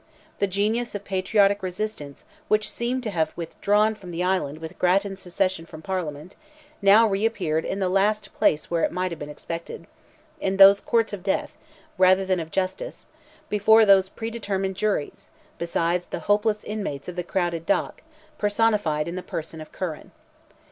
The genius of patriotic resistance which seemed to have withdrawn from the Island with Grattan's secession from Parliament, now re appeared in the last place where it might have been expected—in those courts of death, rather than of justice—before those predetermined juries, besides the hopeless inmates of the crowded dock, personified in the person of Curran.